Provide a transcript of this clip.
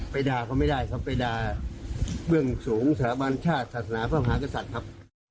ไปด่าเขาไม่ได้ก็ไปด่าเบื้องสูงสระบรรชาติศาสนาภาคษัตริย์ครับ